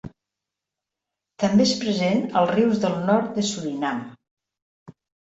També és present als rius del nord de Surinam.